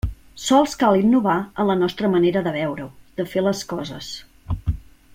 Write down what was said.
Sols cal innovar en la nostra manera de veure-ho, de fer les coses.